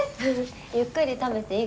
ゆっくり食べていいからね。